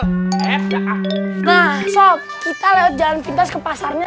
nah sop kita lewat jalan pintas ke pasarnya